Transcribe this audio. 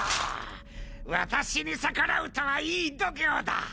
私に逆らうとはいい度胸だ！